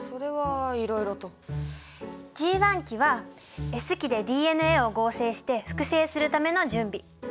Ｇ期はＳ期でＤＮＡを合成して複製するための準備。